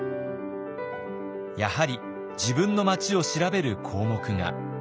やはり自分の町を調べる項目が。